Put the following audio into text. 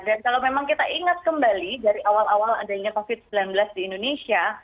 dan kalau memang kita ingat kembali dari awal awal adanya covid sembilan belas di indonesia